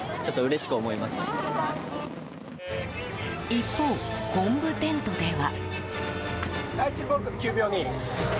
一方、本部テントでは。